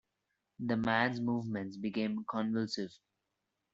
The man’s movements became convulsive.